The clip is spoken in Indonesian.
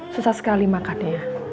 susah sekali makan ya